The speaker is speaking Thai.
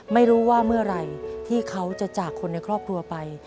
ไม่รู้ว่าเมื่อไหร่ที่เขาจะจากคนในครอบครัวไป